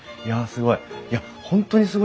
いやすごい。